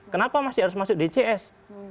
kenapa masih harus masuk dcs